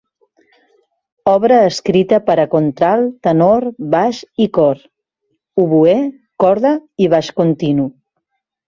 Obra escrita per a contralt, tenor, baix i cor; oboè, corda i baix continu.